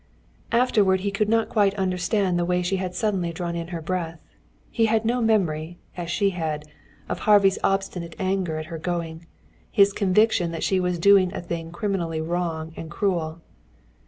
Afterward he could not quite understand the way she had suddenly drawn in her breath. He had no memory, as she had, of Harvey's obstinate anger at her going, his conviction that she was doing a thing criminally wrong and cruel.